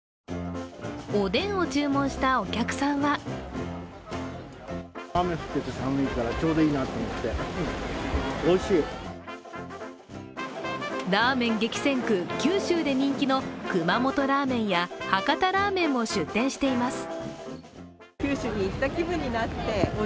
おでんを注文したお客さんはラーメン激戦区、九州で人気の熊本ラーメンや博多ラーメンも出店しています。